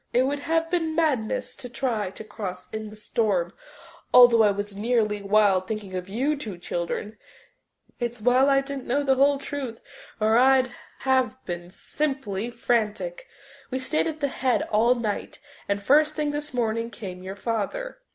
"It would have been madness to try to cross in the storm, although I was nearly wild thinking of you two children. It's well I didn't know the whole truth or I'd have been simply frantic. We stayed at the Head all night, and first thing this morning came your father."